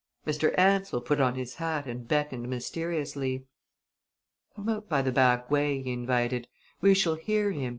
Mr. Ansell put on his hat and beckoned mysteriously. "Come out by the back way," he invited. "We shall hear him.